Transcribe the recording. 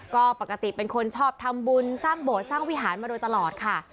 ก็ปกติเป็นคนชอบทำบุญสร้างโบสถสร้างวิหารมาโดยตลอดค่ะ